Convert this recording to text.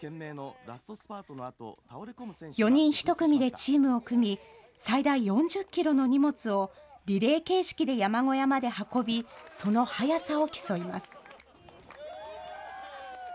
４人１組でチームを組み、最大４０キロの荷物をリレー形式で山小屋まで運び、その速さを競います。